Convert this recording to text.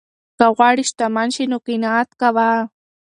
که غواړې شتمن شې نو قناعت کوه.